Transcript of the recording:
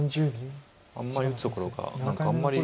あんまり打つところが何かあんまり。